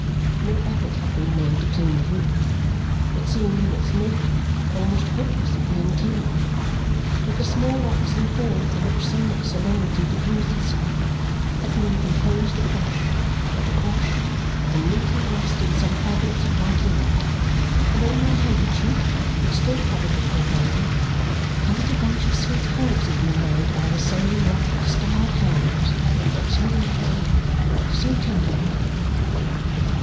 No effort had been made to clean the room it seemed in its nature almost hopeless of being clean; but the small waxen form from which so much solemnity diffused itself had been composed afresh, and washed, and neatly dressed in some fragments of white linen; and on my handkerchief, which still covered the poor baby, a little bunch of sweet herbs had been laid by the same rough, scarred hands, so lightly, so tenderly!